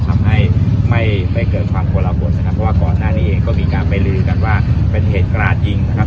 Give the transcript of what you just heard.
ทำให้ไม่ไม่เกิดความกลบทนะครับเพราะว่าก่อนหน้านี้เองก็มีการไปลือกันว่าเป็นเหตุกราดยิงนะครับ